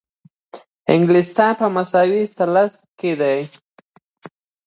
انګلستان مساوي ثلث کې ده.